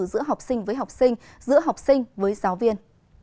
giữa học sinh với học sinh giữa học sinh với giáo viên